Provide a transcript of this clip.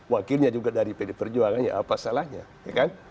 wakilnya juga dari pd perjuangan ya apa salahnya ya kan